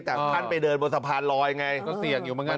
แต่พันไปเดินบนสะพานลอยไงก็เสี่ยงอยู่บางงาน